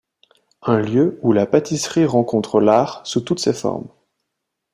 Un lieu où la pâtisserie rencontre l'art sous toutes ses formes.